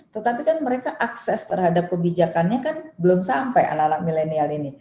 tetapi kan mereka akses terhadap kebijakannya kan belum sampai anak anak milenial ini